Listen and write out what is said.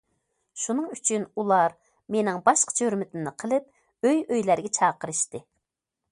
شۇنىڭ ئۈچۈن ئۇلار مېنىڭ باشقىچە ھۆرمىتىمنى قىلىپ، ئۆي- ئۆيلەرگە چاقىرىشتى.